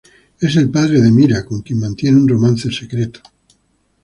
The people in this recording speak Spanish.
Es el padre de Mira, con quien mantiene un romance secreto.